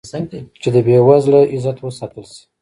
چې د بې وزله عزت وساتل شي.